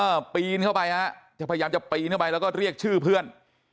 ปีนเข้าไปฮะจะพยายามจะปีนเข้าไปแล้วก็เรียกชื่อเพื่อน